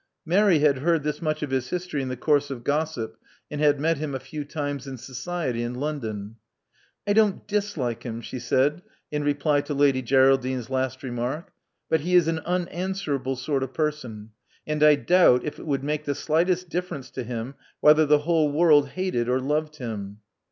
Mary had heard this much of his history in the course of gossip, and had met him a few times in society in London. '*I don't dislike him," she said, in reply to Lady Geraldine's last remark; '*but he is an unanswerable sort of person; and I doubt if it would make the slightest difference to him whether the whole world hated or loved him.